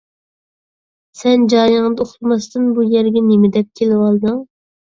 سەن جايىڭدا ئۇخلىماستىن بۇ يەرگە نېمىدەپ كېلىۋالدىڭ؟